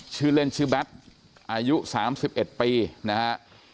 ชื่อเล่นชื่อแบทอายุ๓๑ปีนะฮะ